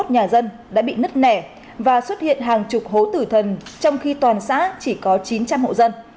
hai mươi một nhà dân đã bị nứt nẻ và xuất hiện hàng chục hố tử thần trong khi toàn xã chỉ có chín trăm linh hộ dân